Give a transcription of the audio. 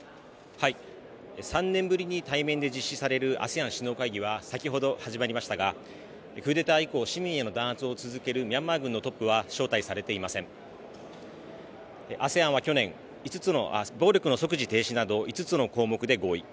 ３年ぶりに対面で実施されるＡＳＥＡＮ首脳会議は先ほど始まりましたがクーデター以降市民への弾圧を続けるミャンマー軍のトップは招待されていませんＡＳＥＡＮは去年暴力の即時停止など５つの項目で合意